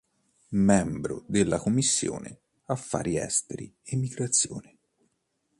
Membro della Commissione Affari Esteri, Emigrazione.